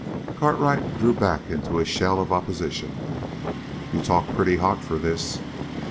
Cartwright drew back into a shell of opposition. "You talk pretty hot for this."